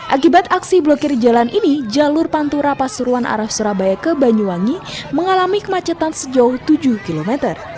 akibat aksi blokir jalan ini jalur pantura pasuruan arah surabaya ke banyuwangi mengalami kemacetan sejauh tujuh km